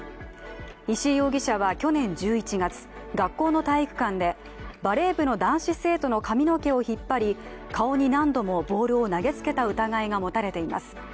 石井容疑者は去年１１月学校の体育館でバレー部の男子生徒の髪の毛を引っ張り顔に何度もボールを投げつけた疑いが持たれています。